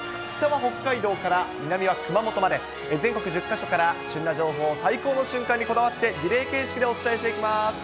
北は北海道から南は熊本まで、全国１０か所から、旬な情報を最高の瞬間にこだわってリレー形式でお伝えしていきます。